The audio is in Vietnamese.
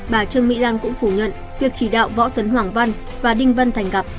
bà trương mỹ lan cũng phủ nhận việc chỉ đạo võ tấn hoàng văn và đinh văn thành gặp